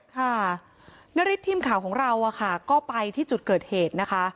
ค่ะนาริสทีมข่าวของเราก็ไปที่จุดเกิดเหตุนะคะ